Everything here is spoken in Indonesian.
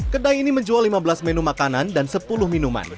kedai ini menjual lima belas menu makanan dan sepuluh minuman